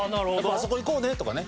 「あそこ行こうね」とかね。